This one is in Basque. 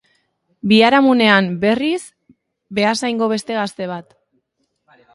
Biharamunean, berriz, Beasaingo beste gazte bat.